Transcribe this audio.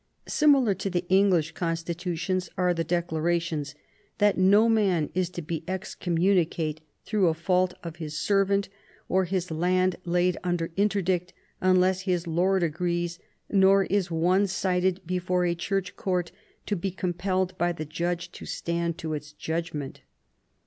Similar to the English constitutions are the de clarations that no man is to be excommunicate through a fault of his servant, or his land laid under interdict unless his lord agrees, nor is one cited before a Church court to be compelled by the judge to stand to its judgment.